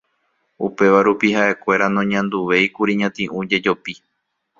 Upéva rupi ha'ekuéra noñanduvéikuri ñati'ũ jejopi